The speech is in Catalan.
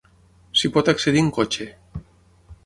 S'hi pot accedir en cotxe.